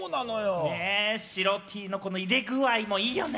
白Ｔの入れ具合もいいよね。